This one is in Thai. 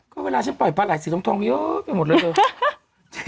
ก็เวลาฉันปล่อยปลาไหล่สีทองเยอะไปหมดเลยเถอะ